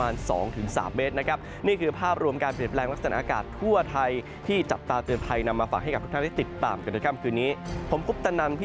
นะครับ